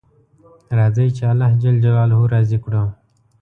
راځئ چې الله جل جلاله راضي کړو